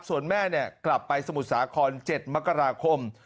คุณแม่กลับไปสมุดสาขอน๗มรคราคม